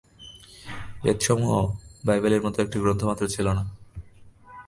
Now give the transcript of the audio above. বেদসমূহ বাইবেলের মত একটি গ্রন্থমাত্র ছিল না।